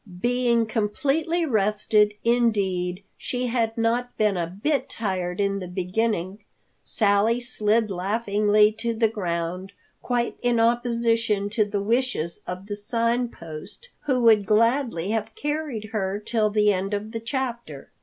Being completely rested—indeed, she had not been a bit tired in the beginning—Sally slid laughingly to the ground, quite in opposition to the wishes of the Sign Post, who would gladly have carried her till the end of the chapter.